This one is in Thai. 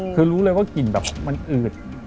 คือรู้เลยว่ากลิ่นแบบมันอืด